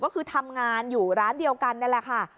ก็คือทำงานอยู่ร้านเดียวกันนี่แหละค่ะ